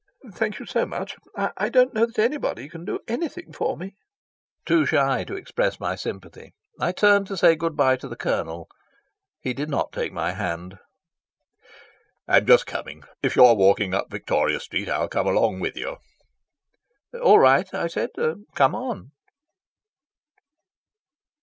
"Thank you so much. I don't know that anybody can do anything for me." Too shy to express my sympathy, I turned to say good bye to the Colonel. He did not take my hand. "I'm just coming. If you're walking up Victoria Street, I'll come along with you." "All right," I said. "Come on."